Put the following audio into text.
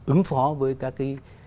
ứng phó với các cái